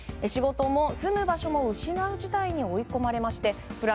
仕事も住む場所も失う事態に追い込まれましてＰＬＡＮ